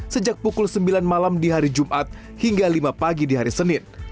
sejak pukul sembilan malam di hari jumat hingga lima pagi di hari senin